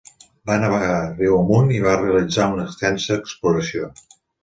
Va navegar riu amunt i va realitzar una extensa exploració.